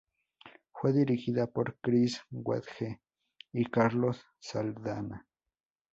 Fue dirigida por Chris Wedge y Carlos Saldanha.